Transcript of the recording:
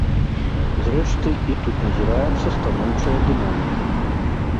Зрэшты, і тут назіраецца станоўчая дынаміка.